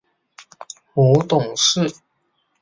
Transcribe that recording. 母董氏。